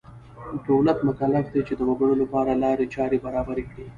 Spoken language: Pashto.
دولت مکلف دی چې د وګړو لپاره لارې چارې برابرې کړي.